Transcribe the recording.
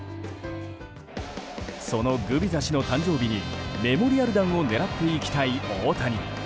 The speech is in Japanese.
そのグビザ氏の誕生日にメモリアル弾を狙っていきたい大谷。